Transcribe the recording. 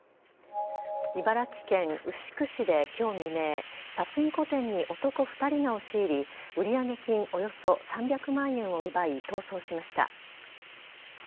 茨城県牛久市できょう未明、パチンコ店に男２人が押し入り、売上金およそ３００万円を奪い、逃走しました。